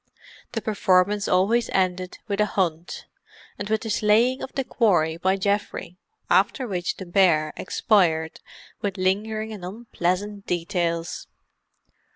The performance always ended with a hunt, and with the slaying of the quarry by Geoffrey, after which the bear expired with lingering and unpleasant details.